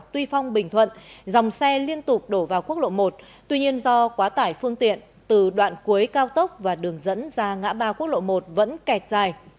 tuy phong bình thuận dòng xe liên tục đổ vào quốc lộ một tuy nhiên do quá tải phương tiện từ đoạn cuối cao tốc và đường dẫn ra ngã ba quốc lộ một vẫn kẹt dài